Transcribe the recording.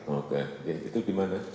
oke itu di mana